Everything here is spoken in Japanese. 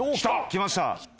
きました。